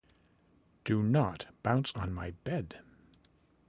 Do not bounce on my bed!